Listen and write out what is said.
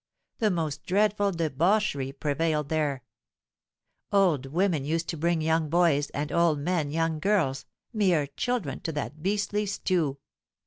The most dreadful debauchery prevailed there. Old women used to bring young boys, and old men young girls—mere children,—to that beastly stew.